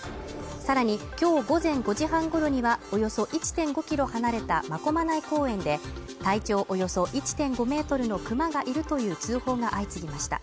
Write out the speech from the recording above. さらに今日午前５時半ごろにはおよそ１．５キロ離れた真駒内公園で体長およそ１．５ｍのクマがいるという通報が相次ぎました。